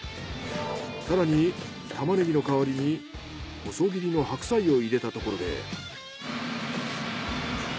更にタマネギの代わりに細切りの白菜を入れたところで。